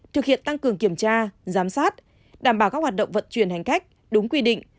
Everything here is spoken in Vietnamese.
thực hiện tăng cường kiểm tra giám sát đảm bảo các hoạt động vận chuyển hành khách đúng quy định